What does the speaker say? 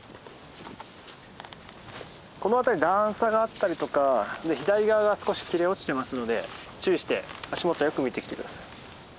この辺り段差があったりとか左側が少し切れ落ちてますので注意して足元をよく見て来て下さい。